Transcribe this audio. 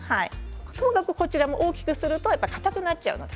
とにかく、こちらも大きくするとかたくなっちゃうので。